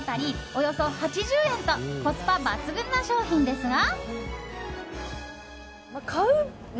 およそ８０円とコスパ抜群な商品ですが。